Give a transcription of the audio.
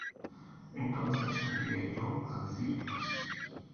Entonces envié yo á decirles: